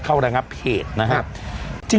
เข้าระงับเหตุนะครับ